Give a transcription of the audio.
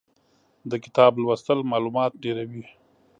د کتاب لوستل مالومات ډېروي.